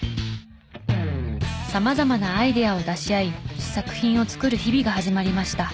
様々なアイデアを出し合い試作品を作る日々が始まりました。